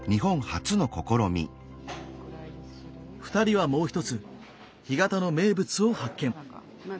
２人はもう一つ干潟の名物を発見。